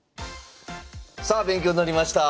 さあ勉強になりました。